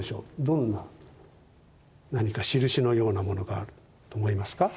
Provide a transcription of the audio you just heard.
どんな何か印のようなものがあると思いますか？